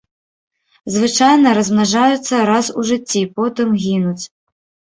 Звычайна размнажаюцца раз у жыцці, потым гінуць.